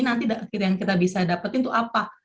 nanti yang kita bisa dapetin itu apa